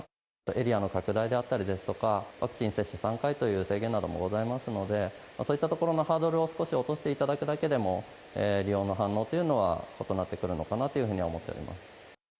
エリアの拡大であったりですとか、ワクチン接種３回という制限などもございますので、そういったところのハードルを少し落としていただくだけでも、利用の反応というのは異なってくるのかなというふうには思っております。